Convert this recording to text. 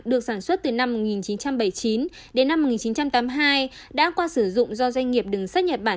được sản xuất từ năm một nghìn chín trăm bảy mươi chín đến năm một nghìn chín trăm tám mươi hai đã qua sử dụng do doanh nghiệp đường sắt nhật bản